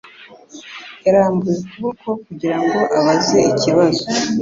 Yarambuye ukuboko kugira ngo abaze ikibazo.